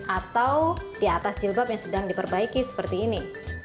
atau di atas jilbab yang sedang diperbaiki seperti ini